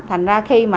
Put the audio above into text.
thành ra khi mà